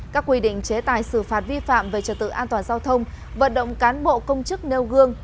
các quy định chế tài xử phạt vi phạm về trật tự an toàn giao thông vận động cán bộ công chức nêu gương